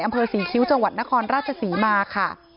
อำเภอศรีคิ้วจนครราชศรีมาค่ะ